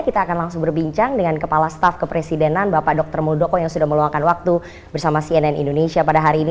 kita akan langsung berbincang dengan kepala staff kepresidenan bapak dr muldoko yang sudah meluangkan waktu bersama cnn indonesia pada hari ini